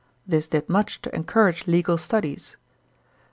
This did much to encourage legal studies.